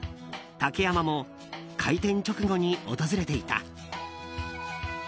竹山も開店直後に訪れていた。